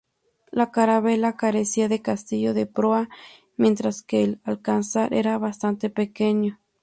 La carabela carecía de castillo de proa, mientras que el alcázar era bastante pequeño.